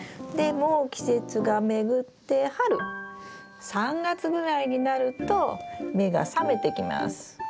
でも季節が巡って春３月ぐらいになると目が覚めてきます。